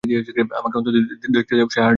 আমাকে অন্তত দেখতে দাও সে-- হার্ডিন!